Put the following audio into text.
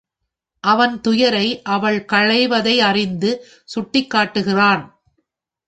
அவன் துயரை அவள் களைவதை அறிந்து சுட்டிக் காட்டுகிறான்.